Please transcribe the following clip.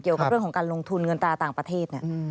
เกี่ยวกับเรื่องของการลงทุนเงินตราต่างประเทศ